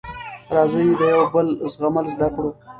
راځی د یوبل زغمل زده کړو